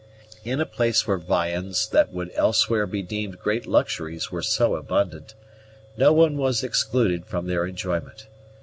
In a place where viands that would elsewhere be deemed great luxuries were so abundant, no one was excluded from their enjoyment.